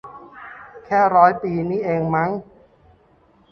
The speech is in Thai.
แค่ร้อยปีนี่เองมั้ง